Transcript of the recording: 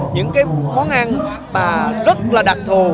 những cái món ăn mà rất là đặc thù